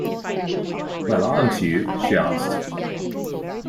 “Well, aren’t you?” she asked.